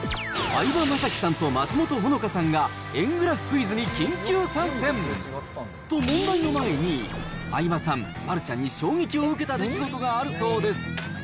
相葉雅紀さんと松本穂香さんが円グラフクイズに緊急参戦。と、問題の前に、相葉さん、丸ちゃんに衝撃を受けた出来事があるそうです。